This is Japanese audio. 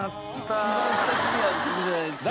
一番親しみある曲じゃないですか。